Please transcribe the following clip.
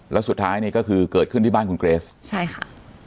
แล้วสุดท้ายนี่ก็คือเกิดขึ้นที่บ้านคุณเกรสใช่ค่ะ